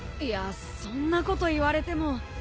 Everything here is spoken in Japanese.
いやそんなこと言われても。